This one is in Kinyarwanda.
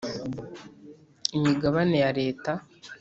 imigabane ya Leta